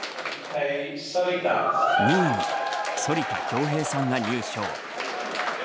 ２位に反田恭平さんが入賞。